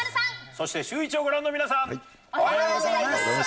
そしてシューイチをご覧の皆さん、おはようございます。